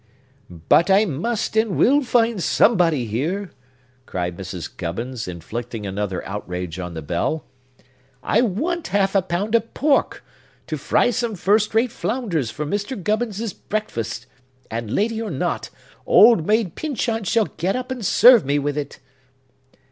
"But I must and will find somebody here!" cried Mrs. Gubbins, inflicting another outrage on the bell. "I want a half pound of pork, to fry some first rate flounders for Mr. Gubbins's breakfast; and, lady or not, Old Maid Pyncheon shall get up and serve me with it!"